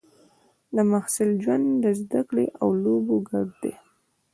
د محصل ژوند د زده کړې او لوبو ګډ دی.